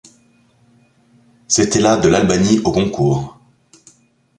C'était la de l'Albanie au Concours.